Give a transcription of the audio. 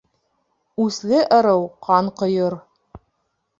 Үсле ырыу ҡан ҡойор.